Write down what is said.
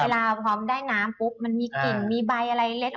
พร้อมได้น้ำปุ๊บมันมีกลิ่นมีใบอะไรเล็ก